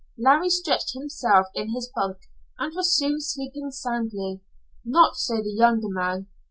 Larry stretched himself in his bunk and was soon sleeping soundly. Not so the younger man.